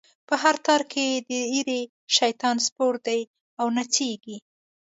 په هر تار کی یی د ږیری، شیطان سپور دی او نڅیږی